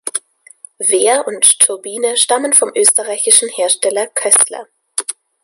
Wehr und Turbine stammen vom österreichischen Hersteller Kössler.